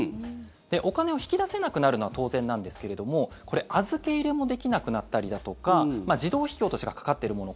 お金を引き出せなくなるのは当然なんですけれどもこれ、預け入れもできなくなったりだとか自動引き落としがかかっているもの